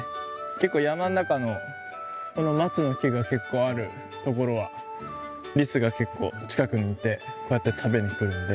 結構山の中のこの松の木が結構あるところはリスが結構近くにいてこうやって食べに来るんで。